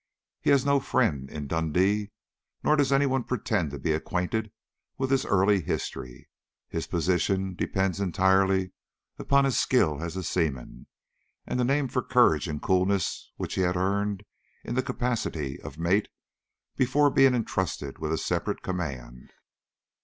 He has no friend in Dundee, nor does any one pretend to be acquainted with his early history. His position depends entirely upon his skill as a seaman, and the name for courage and coolness which he had earned in the capacity of mate, before being entrusted with a separate command.